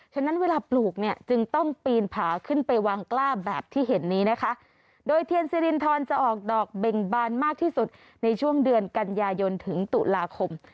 นั้นเวลาปลูกเนี่ยจึงต้องปีนผาขึ้นไปวางกล้าแบบที่เห็นนี้นะคะโดยเทียนสิรินทรจะออกดอกเบ่งบานมากที่สุดในช่วงเดือนกันยายนถึงตุลาคม